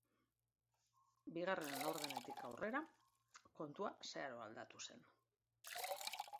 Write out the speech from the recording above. Bigarren laurdenetik aurrera, kontua zeharo aldatu zen.